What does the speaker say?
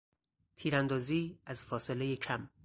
تیراندازی از فاصلهی کم